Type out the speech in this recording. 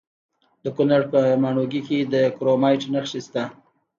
د کونړ په ماڼوګي کې د کرومایټ نښې شته.